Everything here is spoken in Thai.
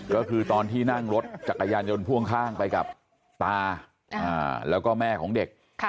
ก็คือตอนที่นั่งรถจักรยานยนต์พ่วงข้างไปกับตาแล้วก็แม่ของเด็ก